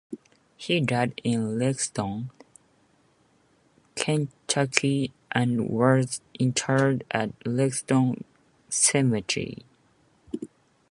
He died in Lexington, Kentucky and was interred at Lexington Cemetery.